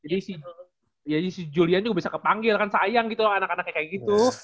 jadi si julian juga bisa kepanggil kan sayang gitu loh anak anaknya kayak gitu